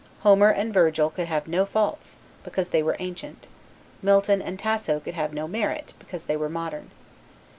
Homer and Virgil could have no faults, because they were ancient; Milton and Tasso could have no merit, because they were modern.